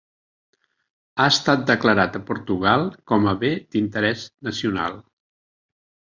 Ha estat declarat a Portugal com a bé d'interès nacional.